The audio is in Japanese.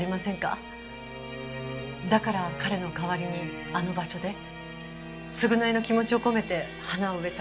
だから彼の代わりにあの場所で償いの気持ちを込めて花を植えた。